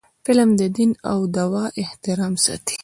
فلم د دین او دود احترام ساتي